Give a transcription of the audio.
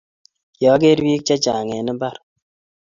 kiageer bik chechang eng mbar